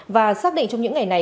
và xác định trong những ngày này